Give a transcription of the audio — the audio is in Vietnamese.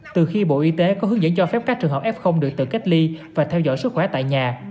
từ khi bộ y tế có hướng dẫn cho phép các trường hợp f được tự cách ly và theo dõi sức khỏe tại nhà